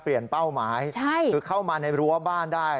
เปลี่ยนเป้าหมายใช่คือเข้ามาในรั้วบ้านได้